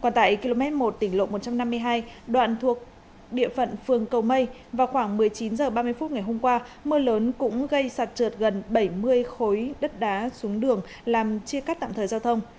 còn tại km một tỉnh lộ một trăm năm mươi hai đoạn thuộc địa phận phường cầu mây vào khoảng một mươi chín h ba mươi phút ngày hôm qua mưa lớn cũng gây sạt trượt gần bảy mươi khối đất đá xuống đường làm chia cắt tạm thời giao thông